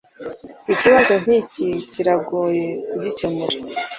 Ikibazo nkiki kiragoye kugikemura.